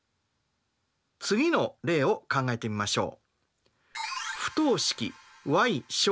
次の例を考えてみましょう。